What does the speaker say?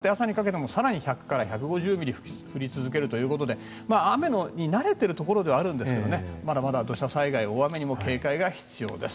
明日朝からあさって朝にかけても更に１００から１５０ミリ降り続けるということで雨に慣れているところではあるんですけど、まだまだ土砂災害、大雨に警戒が必要です。